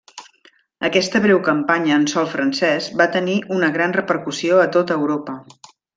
Aquesta breu campanya en sòl francès va tenir una gran repercussió a tot Europa.